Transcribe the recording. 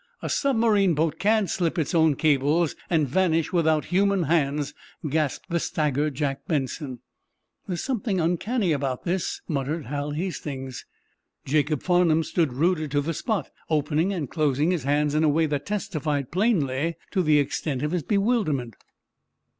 "A submarine boat can't slip its own cables and vanish without human hands!" gasped the staggered Jack Benson. "There's something uncanny about this," muttered Hal Hastings. Jacob Farnum stood rooted to the spot, opening and closing his hands in a way that testified plainly to the extent of his bewilderment.